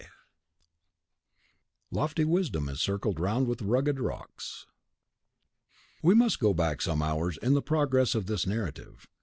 "Emblem." xxxvii. (Lofty wisdom is circled round with rugged rocks.) We must go back some hours in the progress of this narrative.